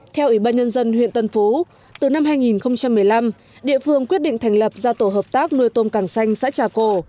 theo ủy ban nhân dân huyện tân phú từ năm hai nghìn một mươi năm địa phương quyết định thành lập ra tổ hợp tác nuôi tôm càng xanh xã trà cổ